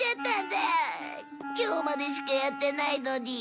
今日までしかやってないのに。